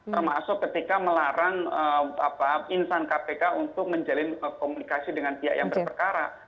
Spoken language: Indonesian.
termasuk ketika melarang insan kpk untuk menjalin komunikasi dengan pihak yang berperkara